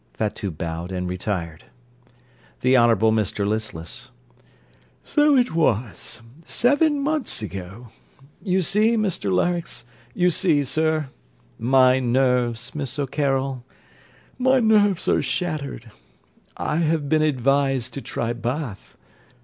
(Fatout bowed and retired.) THE HONOURABLE MR LISTLESS So it was. Seven months ago. You see, Mr Larynx; you see, sir. My nerves, Miss O'Carroll, my nerves are shattered. I have been advised to try Bath.